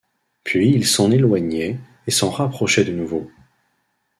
Puis il s’en éloignait et s’en rapprochait de nouveau.